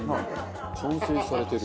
完成されてる。